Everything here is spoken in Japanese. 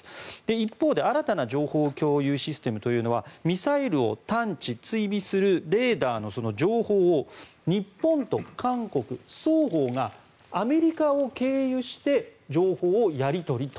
一方で新たな情報共有システムというのはミサイルを探知・追尾するレーダーの情報を日本と韓国双方がアメリカを経由して情報をやり取りと。